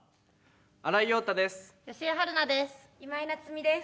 新井庸太です。